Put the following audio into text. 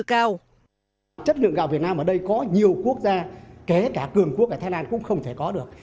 cao chất lượng gạo việt nam ở đây có nhiều quốc gia kể cả cường quốc ở thái lan cũng không thể có được